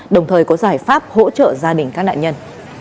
đồng thời có giải pháp hỗ trợ gia đình các nạn nhân